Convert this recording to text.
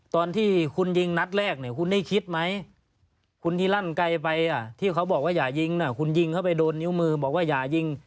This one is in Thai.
ตอนที่คุณยิงนัดแรกเนี่ยคุณได้คิดไหมคุณที่ลั่นไกลไปที่เขาบอกว่าอย่ายิงคุณยิงเข้าไปโดนนิ้วมือบอกว่าอย่ายิง